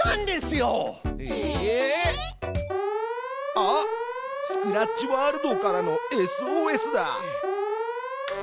あっスクラッチワールドからのＳＯＳだ！